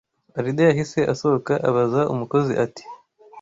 Alide yahise asohoka abaza umukozi ati: